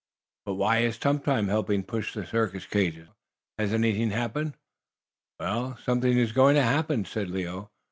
"But why is Tum Tum helping push the circus cages?" asked Nero. "Has anything happened?" "Well, something is going to happen," said Leo.